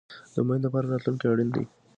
د امید لپاره راتلونکی اړین دی